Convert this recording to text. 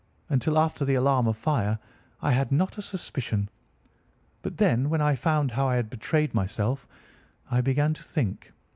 Until after the alarm of fire, I had not a suspicion. But then, when I found how I had betrayed myself, I began to think.